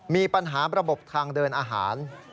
มีปัญหาระบบทางเดินอาหาร